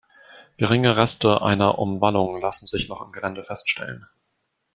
Geringe Reste einer Umwallung lassen sich noch im Gelände feststellen.